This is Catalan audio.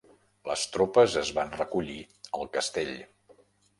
Les tropes es van recollir al castell.